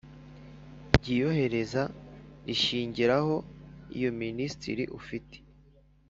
ry iyohereza rishingiraho Iyo Minisitiri ufite